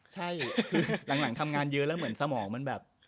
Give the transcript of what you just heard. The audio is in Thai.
ใช่คือหลังทำงานเยอะแล้วเหมือนสมองมันแบบ